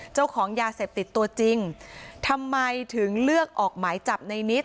เจ้าของยาเสพติดตัวจริงทำไมถึงเลือกออกหมายจับในนิด